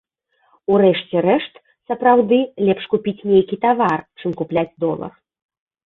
У рэшце рэшт, сапраўды лепш купіць нейкі тавар, чым купляць долар.